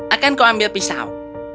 akan kau ambil pisau